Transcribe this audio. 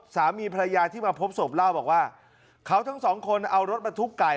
สามีภรรยาที่มาพบศพเล่าบอกว่าเขาทั้งสองคนเอารถบรรทุกไก่